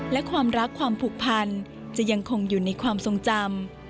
และความรักความผูกพันจะยังคงอยู่ในความทรงจำ